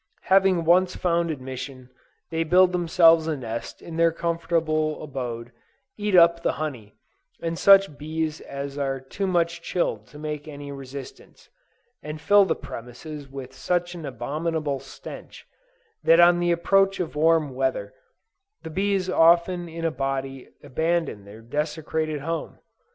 Having once found admission, they build themselves a nest in their comfortable abode, eat up the honey, and such bees as are too much chilled to make any resistance; and fill the premises with such an abominable stench, that on the approach of warm weather, the bees often in a body abandon their desecrated home.